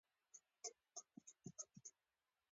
د څنگل په رگ پورې مې يو نرى پيپ بند و.